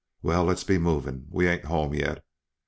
Well, let's be moving we ain't home yet.